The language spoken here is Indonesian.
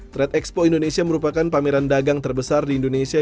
trade expo indonesia merupakan pameran dagang terbesar di indonesia